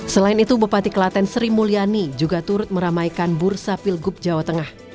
selain itu bupati kelaten sri mulyani juga turut meramaikan bursa pilgub jawa tengah